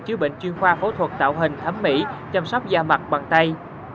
chữa bệnh chuyên khoa phẫu thuật tạo hình thẩm mỹ chăm sóc da mặt bằng tay